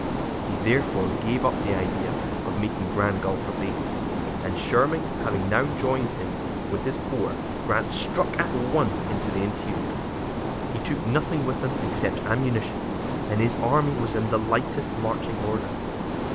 He, therefore, gave up the idea of making Grand Gulf a base, and Sherman having now joined him with his corps, Grant struck at once into the interior. He took nothing with him except ammunition, and his army was in the lightest marching order.